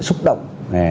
và sức động